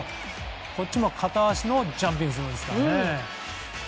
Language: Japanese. こっちも片足のジャンピングスローですからね。